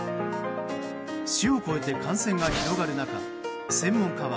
種を超えて感染が広がる中専門家は